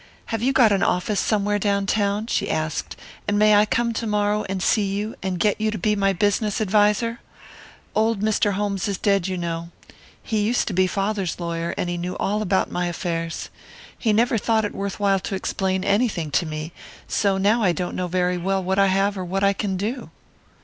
"Have you got an office somewhere down town?" she asked. "And may I come to morrow, and see you, and get you to be my business adviser? Old Mr. Holmes is dead, you know. He used to be father's lawyer, and he knew all about my affairs. He never thought it worth while to explain anything to me, so now I don't know very well what I have or what I can do."